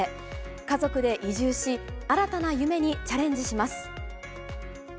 家族で移住し、新たな夢にチャレンジします。